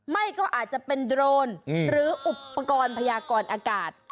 ไม่ก็อาจจะเป็นโดรนหรืออุปกรณ์พยากรอากาศ